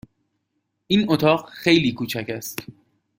این اتاق خیلی کوچک است.